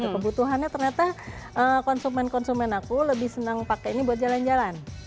kebutuhannya ternyata konsumen konsumen aku lebih senang pakai ini buat jalan jalan